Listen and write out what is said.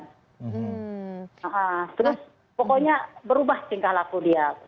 terus pokoknya berubah singkah laku dia